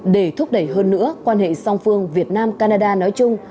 để thúc đẩy hơn nữa quan hệ song phương việt nam canada nói chung